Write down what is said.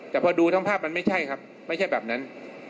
แต่พอดูทั้งภาพมันไม่ใช่ครับไม่ใช่แบบนั้น